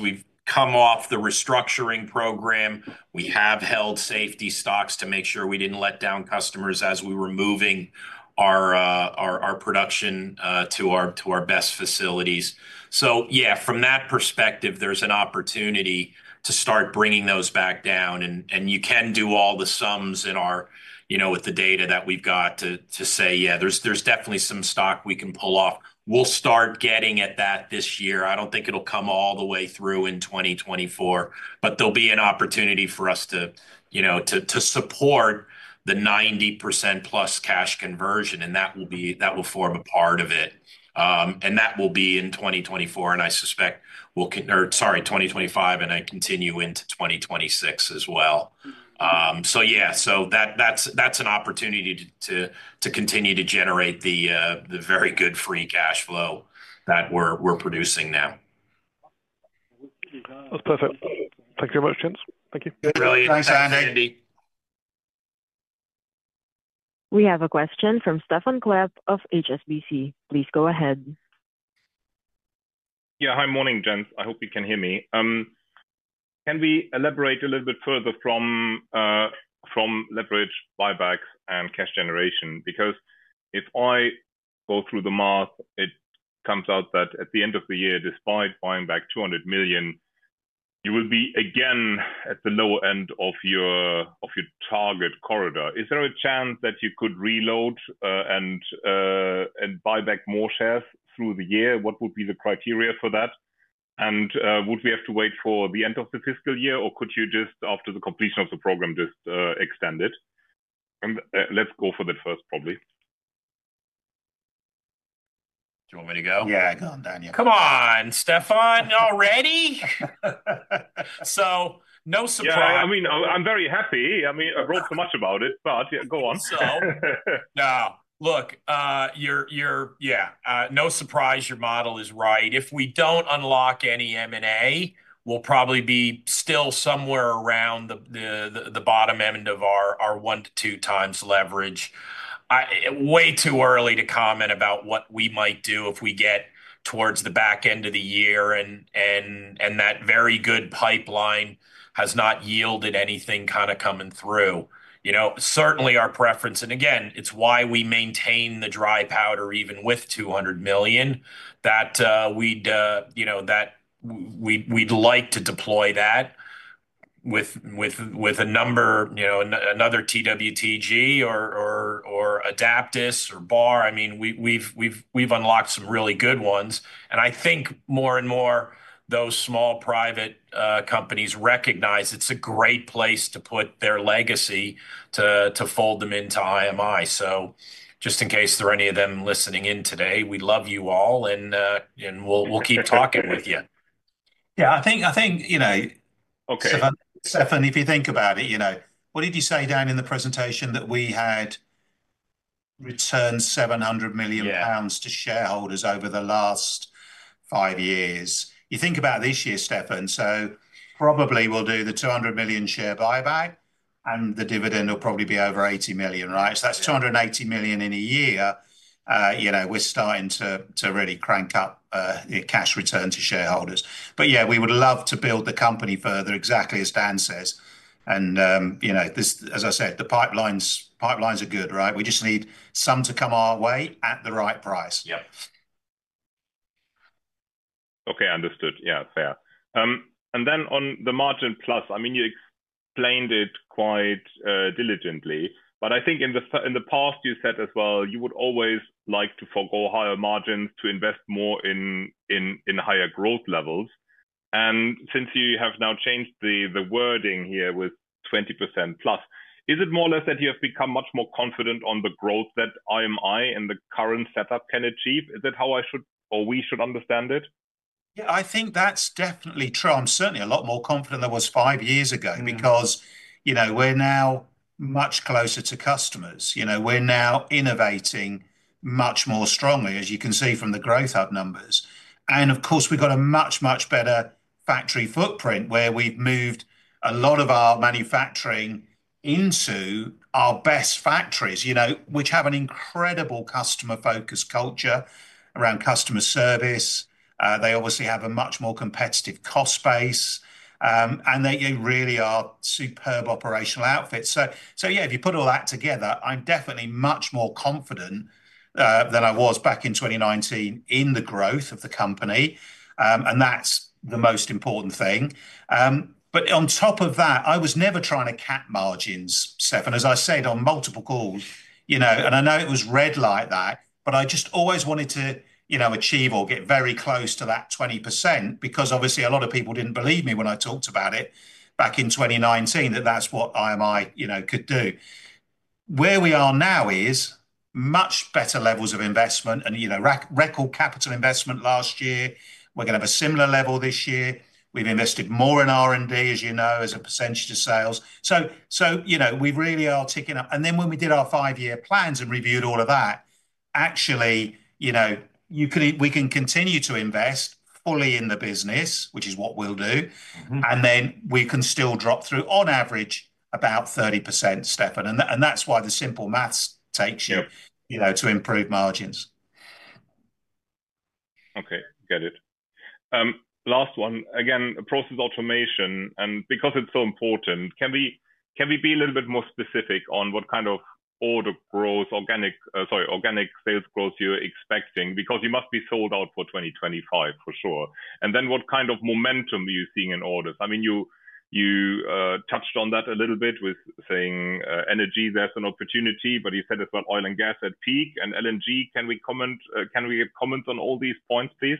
we've come off the restructuring program, we have held safety stocks to make sure we didn't let down customers as we were moving our production to our best facilities. So yeah, from that perspective, there's an opportunity to start bringing those back down. And you can do all the sums with the data that we've got to say, yeah, there's definitely some stock we can pull off. We'll start getting at that this year. I don't think it'll come all the way through in 2024, but there'll be an opportunity for us to support the 90%+ cash conversion. And that will form a part of it. And that will be in 2024. And I suspect we'll, or sorry, 2025, and continue into 2026 as well. So yeah, so that's an opportunity to continue to generate the very good free cash flow that we're producing now. That's perfect. Thank you very much, gents. Thank you. Brilliant. Thanks, Andy. We have a question from Stephan Klepp of HSBC. Please go ahead. Yeah. Hi, morning, gents. I hope you can hear me. Can we elaborate a little bit further from leverage buybacks and cash generation? Because if I go through the math, it comes out that at the end of the year, despite buying back 200 million, you will be again at the lower end of your target corridor. Is there a chance that you could reload and buy back more shares through the year? What would be the criteria for that? And would we have to wait for the end of the fiscal year, or could you just, after the completion of the program, just extend it? Let's go for the first, probably. Do you want me to go? Yeah. Go on, Daniel. Come on, Stephan. You're ready? So no surprise. Yeah. I mean, I'm very happy. I mean, I wrote so much about it, but go on. So no. Look, yeah, no surprise, your model is right. If we don't unlock any M&A, we'll probably be still somewhere around the bottom end of our 1x-2x leverage. Way too early to comment about what we might do if we get towards the back end of the year and that very good pipeline has not yielded anything kind of coming through. Certainly, our preference, and again, it's why we maintain the dry powder even with 200 million, that we'd like to deploy that with a number, another TWTG or Adaptas or Bahr. I mean, we've unlocked some really good ones. And I think more and more those small private companies recognize it's a great place to put their legacy to fold them into IMI. So just in case there are any of them listening in today, we love you all, and we'll keep talking with you. Yeah. I think, Stephan, if you think about it, what did you say down in the presentation that we had returned 700 million pounds to shareholders over the last five years? You think about this year, Stephan, so probably we'll do the 200 million share buyback, and the dividend will probably be over 80 million, right? So that's 280 million in a year. We're starting to really crank up the cash return to shareholders. Yeah, we would love to build the company further, exactly as Dan says. As I said, the pipelines are good, right? We just need some to come our way at the right price. Yep. Okay. Understood. Yeah. Fair. Then on the margin plus, I mean, you explained it quite diligently. But I think in the past, you said as well, you would always like to forgo higher margins to invest more in higher growth levels. Since you have now changed the wording here with 20%+, is it more or less that you have become much more confident on the growth that IMI and the current setup can achieve? Is that how I should or we should understand it? Yeah. I think that's definitely true. I'm certainly a lot more confident than I was five years ago because we're now much closer to customers. We're now innovating much more strongly, as you can see from the Growth Hub numbers. And of course, we've got a much, much better factory footprint where we've moved a lot of our manufacturing into our best factories, which have an incredible customer-focused culture around customer service. They obviously have a much more competitive cost base, and they really are superb operational outfits. So yeah, if you put all that together, I'm definitely much more confident than I was back in 2019 in the growth of the company. And that's the most important thing. But on top of that, I was never trying to cap margins, Stephan. As I said on multiple calls, and I know it was read like that, but I just always wanted to achieve or get very close to that 20% because obviously a lot of people didn't believe me when I talked about it back in 2019 that that's what IMI could do. Where we are now is much better levels of investment and record capital investment last year. We're going to have a similar level this year. We've invested more in R&D, as you know, as a percentage of sales. So we really are ticking up. And then when we did our five-year plans and reviewed all of that, actually, we can continue to invest fully in the business, which is what we'll do. And then we can still drop through, on average, about 30%, Stephan. And that's why the simple math takes you to improve margins. Okay. Got it. Last one. Again, Process Automation. And because it's so important, can we be a little bit more specific on what kind of order growth, sorry, organic sales growth you're expecting? Because you must be sold out for 2025, for sure. And then what kind of momentum are you seeing in orders? I mean, you touched on that a little bit with saying energy there's an opportunity, but you said as well oil and gas at peak. And LNG, can we comment on all these points, please?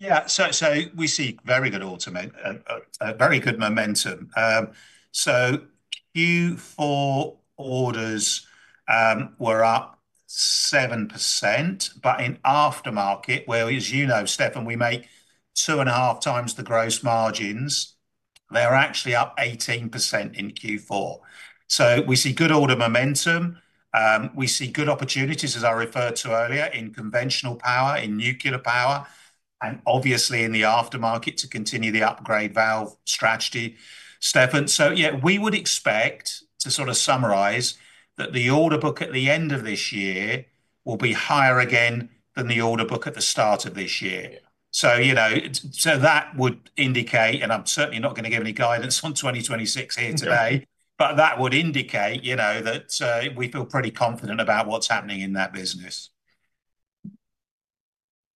Yeah. So we see very good momentum. So Q4 orders were up 7%. But in aftermarket, whereas you know, Stephan, we make two and a half times the gross margins, they're actually up 18% in Q4. So we see good order momentum. We see good opportunities, as I referred to earlier, in conventional power, in nuclear power, and obviously in the aftermarket to continue the upgrade valve strategy, Stephan. So yeah, we would expect to sort of summarize that the order book at the end of this year will be higher again than the order book at the start of this year. So that would indicate, and I'm certainly not going to give any guidance on 2026 here today, but that would indicate that we feel pretty confident about what's happening in that business.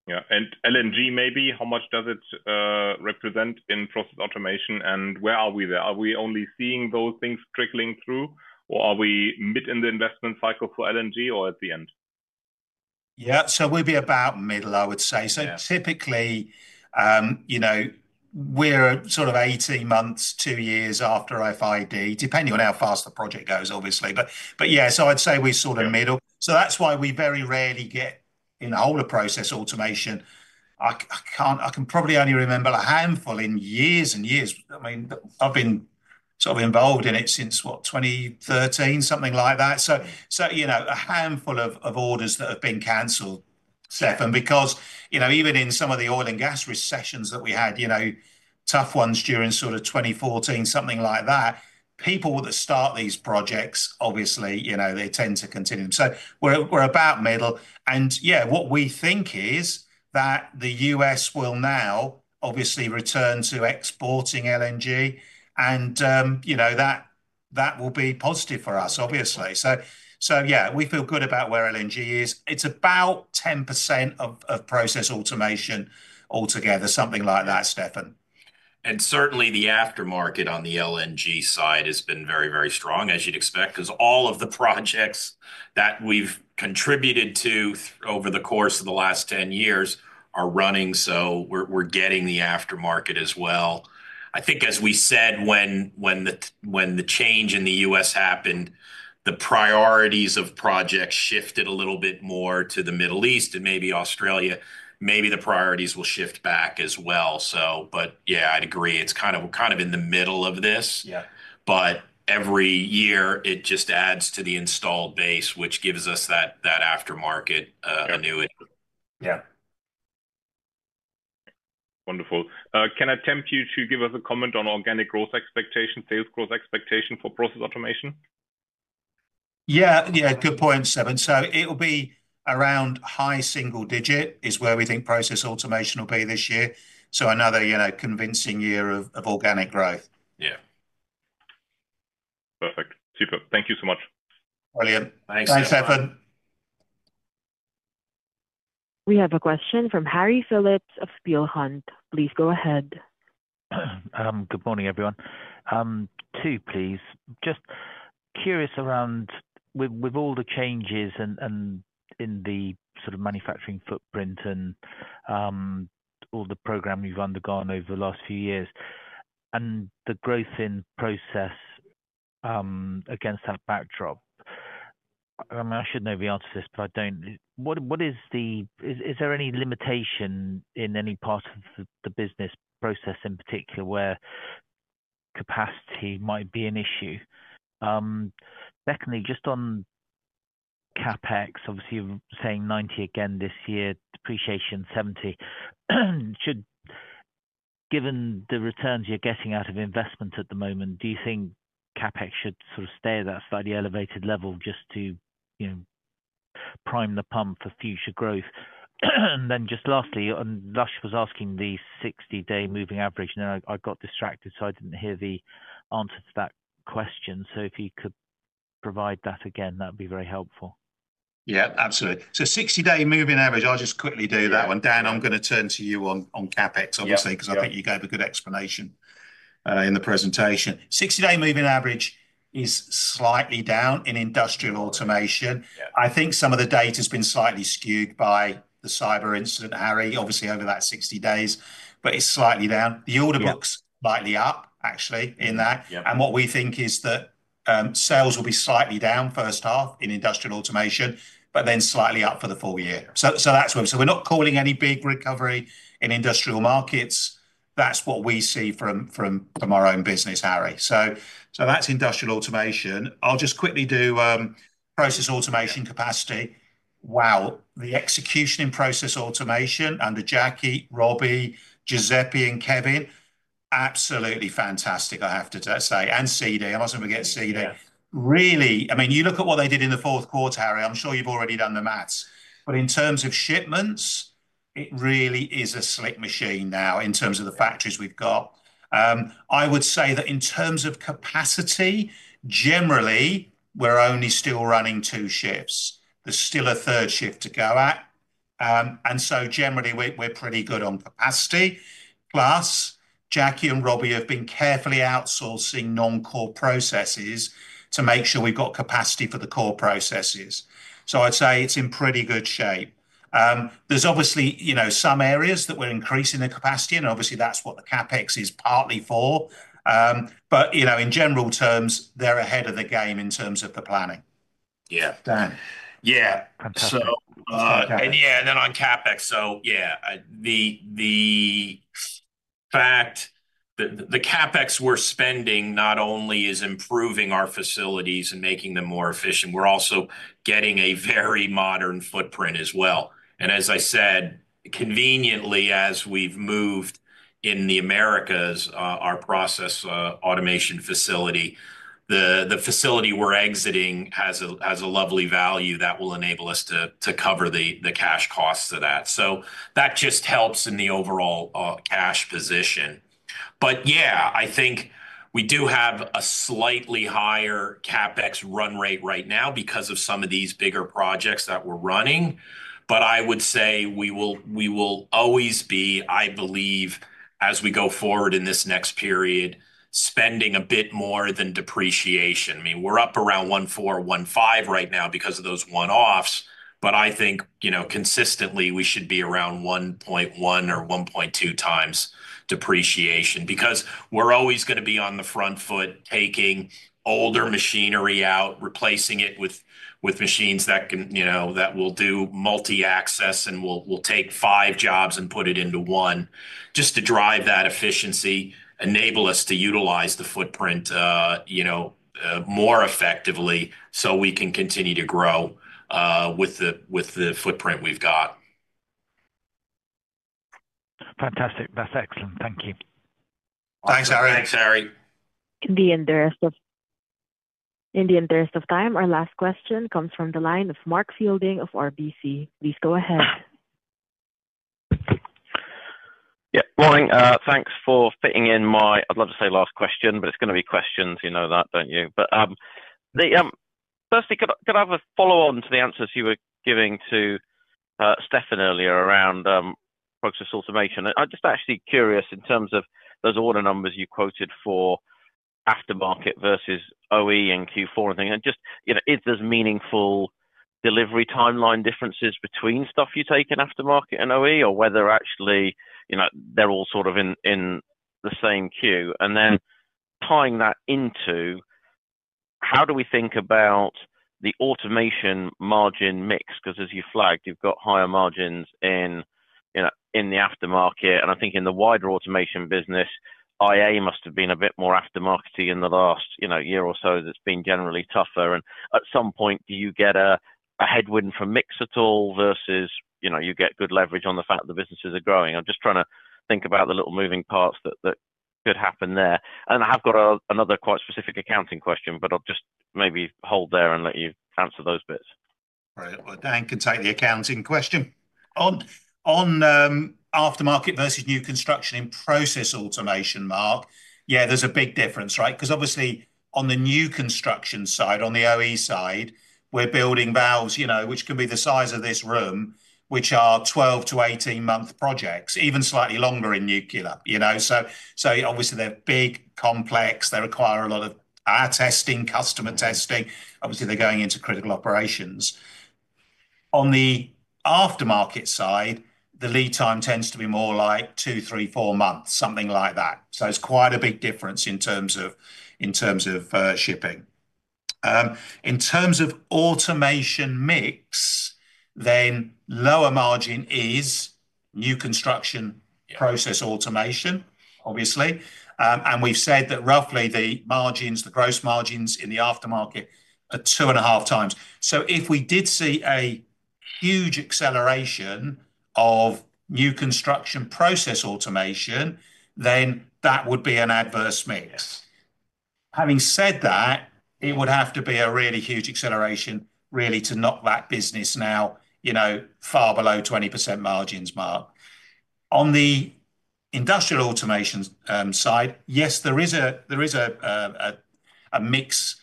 Yeah. And LNG, maybe, how much does it represent in Process Automation? And where are we there? Are we only seeing those things trickling through, or are we mid in the investment cycle for LNG or at the end? Yeah. So we'll be about middle, I would say. So typically, we're sort of 18 months, two years after FID, depending on how fast the project goes, obviously. But yeah, so I'd say we're sort of middle. So that's why we very rarely get in the whole of Process Automation. I can probably only remember a handful in years and years. I mean, I've been sort of involved in it since, what, 2013, something like that. So a handful of orders that have been canceled, Stephan, because even in some of the oil and gas recessions that we had, tough ones during sort of 2014, something like that, people that start these projects, obviously, they tend to continue. So we're about middle. Yeah, what we think is that the U.S. will now obviously return to exporting LNG, and that will be positive for us, obviously. Yeah, we feel good about where LNG is. It's about 10% of Process Automation altogether, something like that, Stephan. Certainly, the aftermarket on the LNG side has been very, very strong, as you'd expect, because all of the projects that we've contributed to over the course of the last 10 years are running. We're getting the aftermarket as well. I think, as we said, when the change in the U.S. happened, the priorities of projects shifted a little bit more to the Middle East and maybe Australia. Maybe the priorities will shift back as well. Yeah, I'd agree. It's kind of in the middle of this. Every year, it just adds to the installed base, which gives us that aftermarket annuity. Yeah. Wonderful. Can I tempt you to give us a comment on organic growth expectation, sales growth expectation for Process Automation? Yeah. Yeah. Good point, Stephan. So it will be around high single digit is where we think Process Automation will be this year. So another convincing year of organic growth. Yeah. Perfect. Super. Thank you so much. Brilliant. Thanks, Stephan. We have a question from Harry Phillips of Peel Hunt. Please go ahead. Good morning, everyone. Two, please. Just curious around, with all the changes in the sort of manufacturing footprint and all the program you've undergone over the last few years and the growth in process against that backdrop. I mean, I should know the answer to this, but I don't. Is there any limitation in any part of the business process in particular where capacity might be an issue? Secondly, just on CapEx, obviously, you're saying 90 again this year, depreciation 70. Given the returns you're getting out of investment at the moment, do you think CapEx should sort of stay at that slightly elevated level just to prime the pump for future growth? And then just lastly, Lush was asking the 60-day moving average, and then I got distracted, so I didn't hear the answer to that question. So if you could provide that again, that would be very helpful. Yeah. Absolutely. So 60-day moving average. I'll just quickly do that one. Dan, I'm going to turn to you on CapEx, obviously, because I think you gave a good explanation in the presentation. 60-day moving average is slightly down in Industrial Automation. I think some of the data has been slightly skewed by the cyber incident, Harry, obviously, over that 60 days, but it's slightly down. The order books are slightly up, actually, in that. And what we think is that sales will be slightly down first half in Industrial Automation, but then slightly up for the full year. So we're not calling any big recovery in industrial markets. That's what we see from our own business, Harry. So that's Industrial Automation. I'll just quickly do Process Automation capacity. Wow. The execution in Process Automation under Jackie, Robbie, Giuseppe, and Kevin, absolutely fantastic, I have to say. And CD. I mustn't forget CD. Really, I mean, you look at what they did in the fourth quarter, Harry. I'm sure you've already done the maths. But in terms of shipments, it really is a slick machine now in terms of the factories we've got. I would say that in terms of capacity, generally, we're only still running two shifts. There's still a third shift to go at. And so generally, we're pretty good on capacity. Plus, Jackie and Robbie have been carefully outsourcing non-core processes to make sure we've got capacity for the core processes. So I'd say it's in pretty good shape. There's obviously some areas that we're increasing the capacity, and obviously, that's what the CapEx is partly for. But in general terms, they're ahead of the game in terms of the planning. Yeah. Yeah. And yeah, and then on CapEx, so yeah, the fact that the CapEx we're spending not only is improving our facilities and making them more efficient, we're also getting a very modern footprint as well. And as I said, conveniently, as we've moved in the Americas, our Process Automation facility, the facility we're exiting has a lovely value that will enable us to cover the cash costs of that. So that just helps in the overall cash position. But yeah, I think we do have a slightly higher CapEx run rate right now because of some of these bigger projects that we're running. But I would say we will always be, I believe, as we go forward in this next period, spending a bit more than depreciation. I mean, we're up around 1.4x, 1.5x right now because of those one-offs. But I think consistently, we should be around 1.1x or 1.2x depreciation because we're always going to be on the front foot taking older machinery out, replacing it with machines that will do multi-axis, and we'll take five jobs and put it into one just to drive that efficiency, enable us to utilize the footprint more effectively so we can continue to grow with the footprint we've got. Fantastic. That's excellent. Thank you. Thanks, Harry. Thanks, Harry. In the interest of time, our last question comes from the line of Mark Fielding of RBC. Please go ahead. Yeah. Morning. Thanks for fitting in my, I'd love to say last question, but it's going to be questions. You know that, don't you? But firstly, could I have a follow-on to the answers you were giving to Stephan earlier around Process Automation? I'm just actually curious in terms of those order numbers you quoted for aftermarket versus OE and Q4 and things. And just if there's meaningful delivery timeline differences between stuff you take in aftermarket and OE or whether actually they're all sort of in the same queue. And then tying that into, how do we think about the automation margin mix? Because as you flagged, you've got higher margins in the aftermarket. I think in the wider automation business, IA must have been a bit more aftermarket-y in the last year or so that's been generally tougher. At some point, do you get a headwind from mix at all versus you get good leverage on the fact that the businesses are growing? I'm just trying to think about the little moving parts that could happen there. I've got another quite specific accounting question, but I'll just maybe hold there and let you answer those bits. Right. Dan can take the accounting question. On aftermarket versus new construction in Process Automation, Mark, yeah, there's a big difference, right? Because obviously, on the new construction side, on the OE side, we're building valves, which can be the size of this room, which are 12-month to 18-month projects, even slightly longer in nuclear. So obviously, they're big, complex. They require a lot of air testing, customer testing. Obviously, they're going into critical operations. On the aftermarket side, the lead time tends to be more like two, three, four months, something like that. So it's quite a big difference in terms of shipping. In terms of Automation mix, then lower margin is new construction Process Automation, obviously. And we've said that roughly the gross margins in the aftermarket are two and a half times. So if we did see a huge acceleration of new construction Process Automation, then that would be an adverse mix. Having said that, it would have to be a really huge acceleration, really, to knock that business now far below 20% margins, Mark. On the Industrial Automation side, yes, there is a mix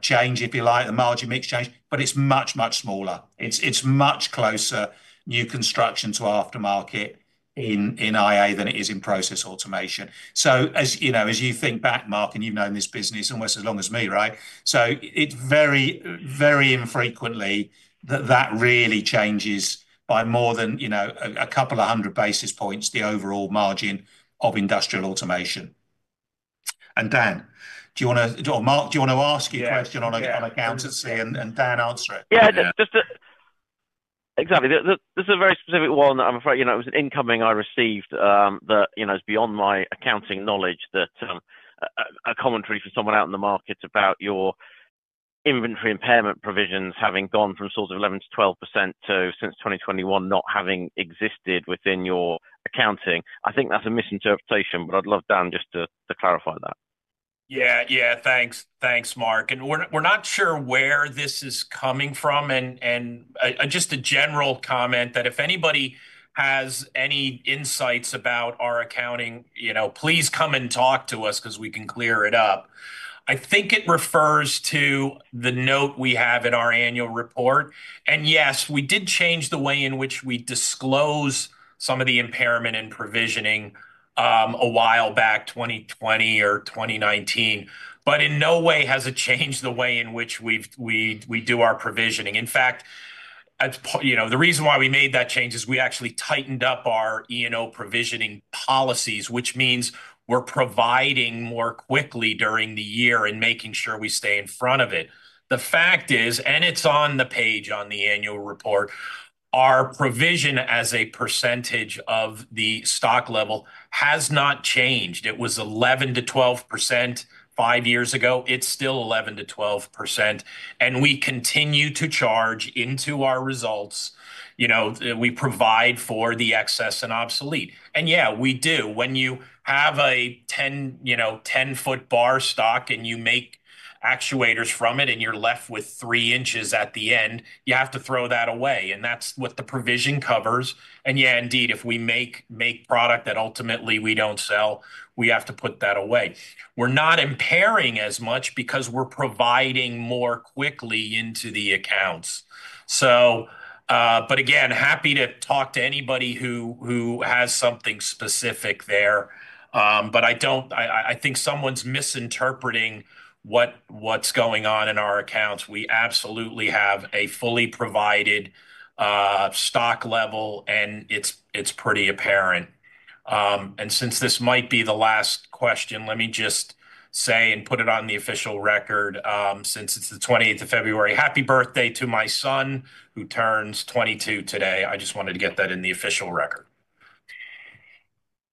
change, if you like, the margin mix change, but it's much, much smaller. It's much closer new construction to aftermarket in IA than it is in Process Automation. So as you think back, Mark, and you've known this business almost as long as me, right? So it's very, very infrequently that that really changes by more than a couple of hundred basis points the overall margin of Industrial Automation. And Dan, do you want to or Mark, do you want to ask your question on accountancy and Dan answer it? Yeah. Exactly. This is a very specific one that I'm afraid it was an incoming I received that is beyond my accounting knowledge, a commentary for someone out in the market about your inventory impairment provisions having gone from sort of 11%-12% to, since 2021, not having existed within your accounting. I think that's a misinterpretation, but I'd love Dan just to clarify that. Yeah. Yeah. Thanks. Thanks, Mark. We're not sure where this is coming from. Just a general comment that if anybody has any insights about our accounting, please come and talk to us because we can clear it up. I think it refers to the note we have in our annual report. Yes, we did change the way in which we disclose some of the impairment and provisioning a while back, 2020 or 2019, but in no way has it changed the way in which we do our provisioning. In fact, the reason why we made that change is we actually tightened up our E&O provisioning policies, which means we're providing more quickly during the year and making sure we stay in front of it. The fact is, and it's on the page on the annual report, our provision as a percentage of the stock level has not changed. It was 11%-12% five years ago. It's still 11%-12%. And we continue to charge into our results. We provide for the excess and obsolete. And yeah, we do. When you have a 10-foot bar stock and you make actuators from it and you're left with three inches at the end, you have to throw that away. And that's what the provision covers. And yeah, indeed, if we make product that ultimately we don't sell, we have to put that away. We're not impairing as much because we're providing more quickly into the accounts. But again, happy to talk to anybody who has something specific there. But I think someone's misinterpreting what's going on in our accounts. We absolutely have a fully provided stock level, and it's pretty apparent. And since this might be the last question, let me just say and put it on the official record since it's the 28th of February, happy birthday to my son who turns 22 today. I just wanted to get that in the official record.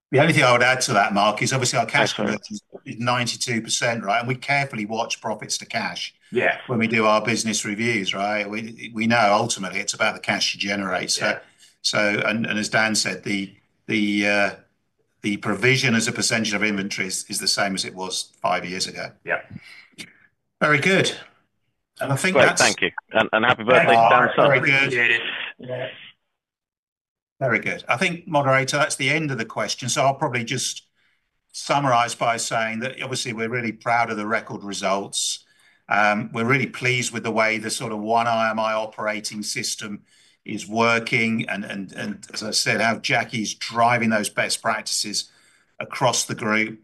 The only thing I would add to that, Mark, is obviously our cash growth is 92%, right? And we carefully watch profits to cash when we do our business reviews, right? We know ultimately it's about the cash you generate. And as Dan said, the provision as a percentage of inventory is the same as it was five years ago. Yeah. Very good. And I think that's it. Thank you. And happy birthday. Thank you. Very good. I think, Moderator, that's the end of the question. So I'll probably just summarize by saying that obviously we're really proud of the record results. We're really pleased with the way the sort of One IMI operating system is working, and as I said, how Jackie's driving those best practices across the group.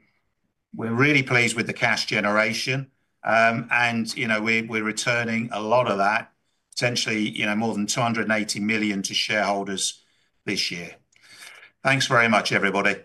We're really pleased with the cash generation, and we're returning a lot of that, potentially more than 280 million to shareholders this year. Thanks very much, everybody.